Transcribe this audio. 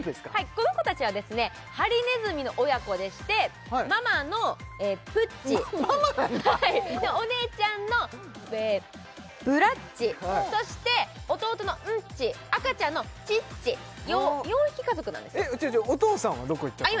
この子たちはですねハリネズミの親子でしてママのプッチママなんだお姉ちゃんのブラッチそして弟のンッチ赤ちゃんのチッチ４匹家族なんですよお父さんはどこ行っちゃったの？